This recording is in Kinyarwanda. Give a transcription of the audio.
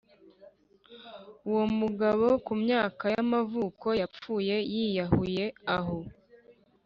uwo mugabo, ku myaka y’amavuko, yapfuye yiyahuyeaho